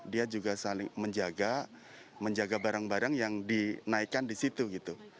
dia juga saling menjaga menjaga barang barang yang dinaikkan di situ gitu